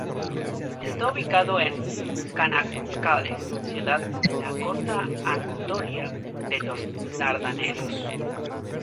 Está ubicado en Çanakkale, ciudad de la costa anatolia de los Dardanelos.